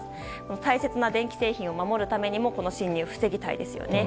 大切な電気製品を守るためにもこの侵入、防ぎたいですよね。